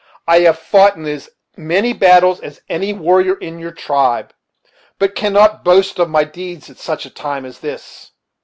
I have fought in as many battles as any warrior in your tribe, but cannot boast of my deeds at such a time as this."